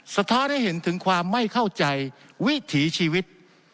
สะท้อนให้เห็นถึงความไม่เข้าใจวิถีชีวิต